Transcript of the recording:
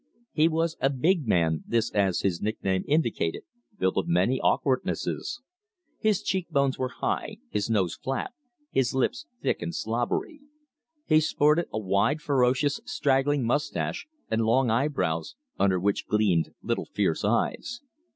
He was a big man, this, as his nickname indicated, built of many awkwardnesses. His cheekbones were high, his nose flat, his lips thick and slobbery. He sported a wide, ferocious straggling mustache and long eye brows, under which gleamed little fierce eyes.